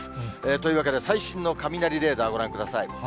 というわけで、最新の雷レーダー、ご覧ください。